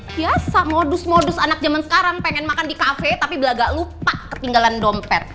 biasa modus modus anak jaman sekarang pengen makan di cafe tapi belak gak lupa ketinggalan dompet